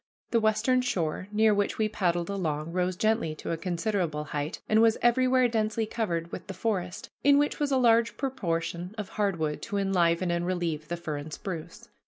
The western shore, near which we paddled along, rose gently to a considerable height and was everywhere densely covered with the forest, in which was a large proportion of hard wood to enliven and relieve the fir and spruce.